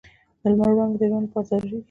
د لمر وړانګې د ژوند لپاره ضروري دي.